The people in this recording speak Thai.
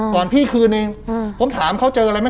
ก่อนพี่คืนนึงผมถามเขาเจออะไรไหม